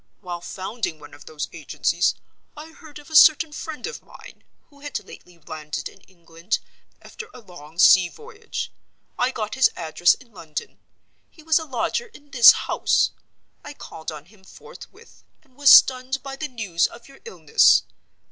While founding one of those Agencies, I heard of a certain friend of mine, who had lately landed in England, after a long sea voyage. I got his address in London—he was a lodger in this house. I called on him forthwith, and was stunned by the news of your illness.